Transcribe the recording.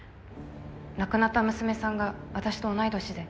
亡くなった娘さんが私と同い年で。